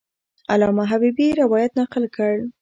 علامه حبیبي روایت نقل کړ.